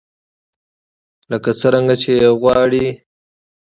لکه څرنګه يې چې غواړئ.